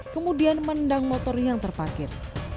kemudian mendang motor yang terpakir